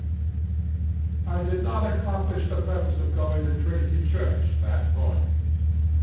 I did not accomplish the purpose of going to Trinity Church that morning.